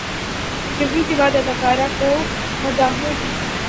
interview کے بعد اداکار کو مداحوں کی